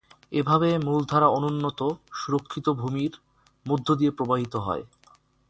এভাবে মূলধারা অনুন্নত, সুরক্ষিত ভূমির মধ্য দিয়ে প্রবাহিত হয়।